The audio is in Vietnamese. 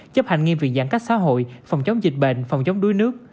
chấp hành nghiêm việc giãn cách xã hội phòng chống dịch bệnh phòng chống đuối nước